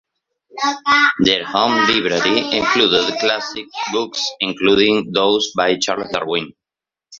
Their home library included classic books including those by Charles Darwin.